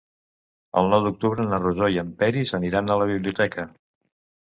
El nou d'octubre na Rosó i en Peris aniran a la biblioteca.